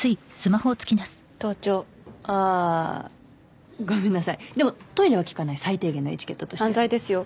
盗聴ああーごめんなさいでもトイレは聞かない最低限のエチケットとして犯罪ですよ